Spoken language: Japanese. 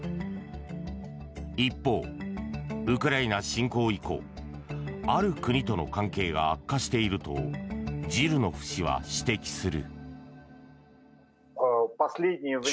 一方、ウクライナ侵攻以降ある国との関係が悪化しているとジルノフ氏は指摘する。